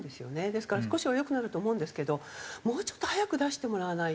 ですから少しは良くなると思うんですけどもうちょっと早く出してもらわないと。